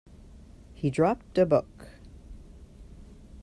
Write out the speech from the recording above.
He dropped a book.